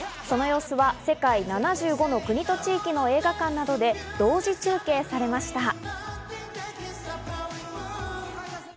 その様子は世界７５の国と地域の映画館などで、同時中継されました。